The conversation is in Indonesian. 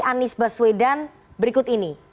anies baswedan berikut ini